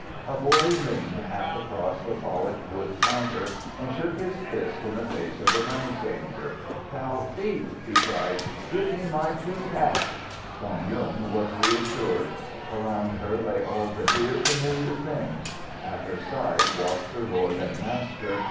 A boy leaned half across the polished wood counter and shook his fist in the face of the money changer. "Thou thief!" he cried. "Give me my two cash!" Dong Yung was reassured. Around her lay all the dear familiar things; at her side walked her lord and master.